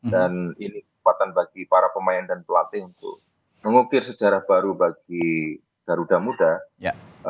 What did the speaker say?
dan ini kesempatan bagi para pemain dan pelatih untuk mengukir sejarah baru bagi garuda muda